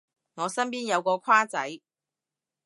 我身邊有個跨仔